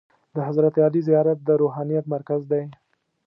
د حضرت علي زیارت د روحانیت مرکز دی.